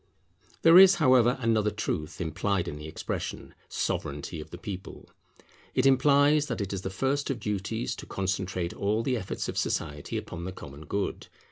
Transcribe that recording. There is, however, another truth implied in the expression, Sovereignity of the people. It implies that it is the first of duties to concentrate all the efforts of society upon the common good.